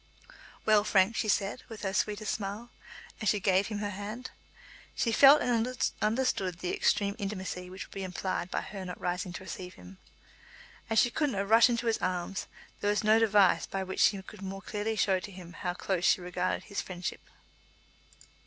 "Well, Frank?" she said, with her sweetest smile, as she gave him her hand. She felt and understood the extreme intimacy which would be implied by her not rising to receive him. As she could not rush into his arms there was no device by which she could more clearly show to him how close she regarded his friendship.